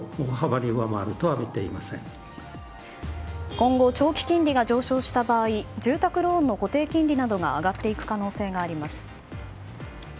今後、長期金利が上昇した場合住宅ローンの固定金利などが上がっていく可能性があります。